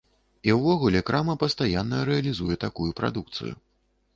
І ўвогуле крама пастаянна рэалізуе такую прадукцыю.